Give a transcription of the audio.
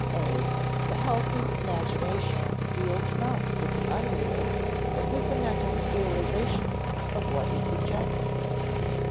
(a) The healthy imagination deals not with the unreal, but with the mental realization of what is suggested.